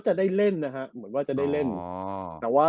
เหมือนว่าจะได้เล่นนะครับ